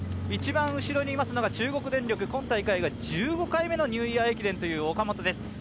一番後ろにいますのが中国電力、今大会が１５回目のニューイヤー駅伝という岡本です。